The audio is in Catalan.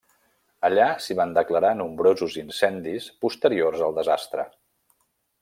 Allà s'hi van declarar nombrosos incendis posteriors al desastre.